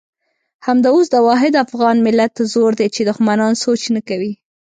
همدا اوس د واحد افغان ملت زور دی چې دښمنان سوچ نه کوي.